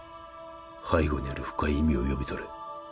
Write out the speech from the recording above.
背後にある深い意味を読み取れ